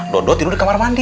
dodo tidur di kamar mandi